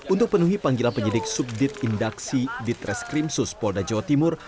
untuk penuhi panggilan penyidik subdit indaksi ditreskrimsus polda jawa timur